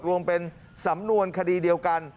รวมเป็นสำนวนคดีเดียวกัน